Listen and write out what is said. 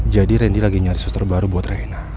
jadi randy lagi nyari suster baru buat reina